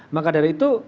maka dari itu